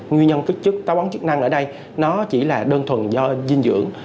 nguyên nhân kích chức tàu bón chức năng ở đây nó chỉ là đơn thuần do dinh dưỡng